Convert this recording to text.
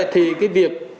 thì cái việc